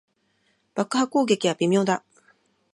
撃破特攻は微妙だ。